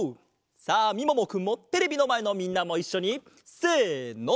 さあみももくんもテレビのまえのみんなもいっしょにせの！